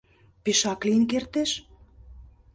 — Пешак лийын кертеш!